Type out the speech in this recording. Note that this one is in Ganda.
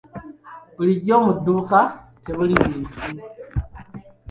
Bulijjo mu dduuka temuli bintu.